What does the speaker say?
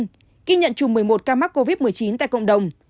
ghi nhận chùm một mươi một ca mắc covid một mươi chín tại cộng đồng